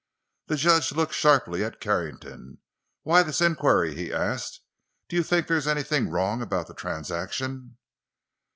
The judge looked sharply at Carrington. "Why this inquiry?" he asked; "do you think there is anything wrong about the transaction?"